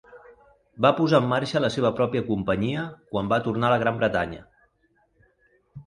Va posar en marxa la seva pròpia companyia quan va tornar a la Gran Bretanya.